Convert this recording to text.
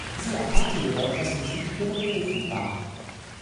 Sie erkannte jedoch, dass Musik ihre Berufung war.